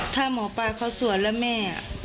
ถ้าหมอปลาเขาสวดแล้วแม่